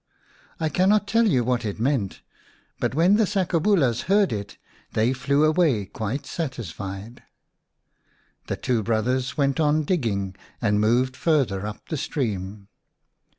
I cannot tell you what it meant, but when the sakobulas heard it, they flew away quite satisfied. The two brothers went on digging, and moved farther up the stream.